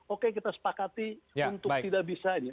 oke kita sepakati untuk tidak bisa ini